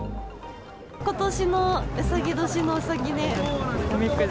ことしのうさぎ年のうさぎで。